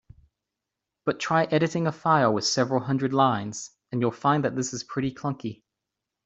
But try editing a file with several hundred lines, and you'll find that this is pretty clunky.